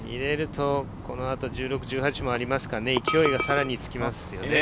このあと１６、１８もありますから勢いがつきます。